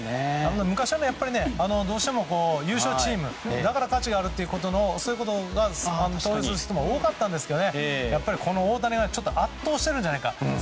昔はどうしても優勝チームだから価値があるということで投票する人が多かったんですけど大谷はちょっと圧倒しているんじゃないか。